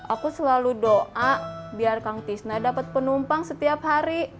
aku selalu doa biar kang tisna dapat penumpang setiap hari